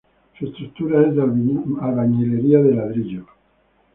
Su estructura es de albañilería de ladrillo.